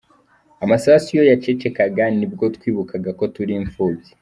Amasasu iyo yacecekaga ni bwo twibukaga ko turi imfubyi.